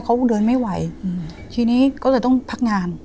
เขาเดินไม่ไหวทีนี้ก็เลยต้องพักงาน